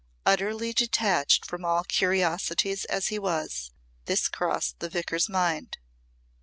Utterly detached from all curiosities as he was, this crossed the Vicar's mind.